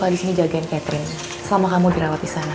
aku akan menjaga catherine selama kamu di rawat di sana